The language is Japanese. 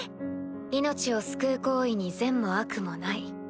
命を救う行為に善も悪もない。